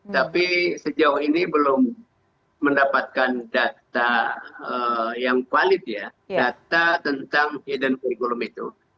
tapi sejauh ini belum mendapatkan data yang valid ya data tentang hidden kurikulum itu